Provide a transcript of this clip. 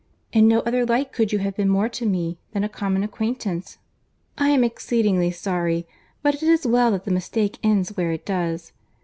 In no other light could you have been more to me than a common acquaintance. I am exceedingly sorry: but it is well that the mistake ends where it does.